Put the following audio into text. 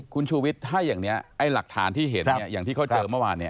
คุณชูวิทย์ถ้าอย่างนี้ไอ้หลักฐานที่เห็นอย่างที่เขาเจอเมื่อวานเนี่ย